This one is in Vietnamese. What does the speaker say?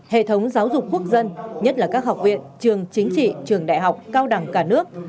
hệ thống giáo dục quốc dân nhất là các học viện trường chính trị trường đại học cao đẳng cả nước